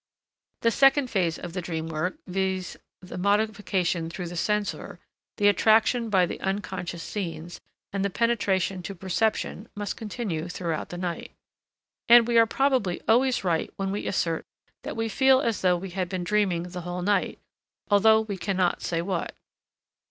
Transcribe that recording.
The second phase of the dream work, viz. the modification through the censor, the attraction by the unconscious scenes, and the penetration to perception must continue throughout the night. And we are probably always right when we assert that we feel as though we had been dreaming the whole night, although we cannot say what.